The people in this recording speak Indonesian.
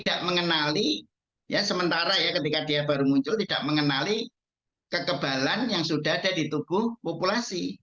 tidak mengenali ya sementara ya ketika dia baru muncul tidak mengenali kekebalan yang sudah ada di tubuh populasi